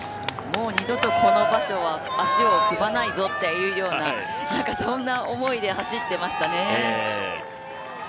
もう二度とこの場所は足を踏まないぞっていうようなそんな思いで走ってましたね。